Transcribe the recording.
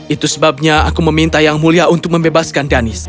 itu sebabnya aku meminta yang mulia untuk membebaskan danis